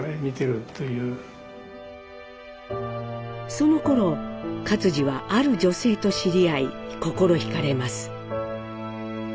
そのころ克爾はある女性と知り合い心惹かれます。